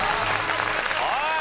はい。